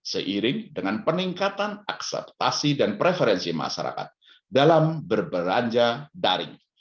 seiring dengan peningkatan akseptasi dan preferensi masyarakat dalam berbelanja daring